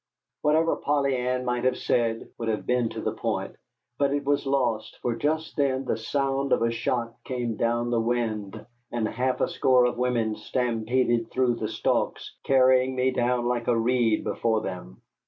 Whatever Polly Ann might have said would have been to the point, but it was lost, for just then the sound of a shot came down the wind, and a half a score of women stampeded through the stalks, carrying me down like a reed before them.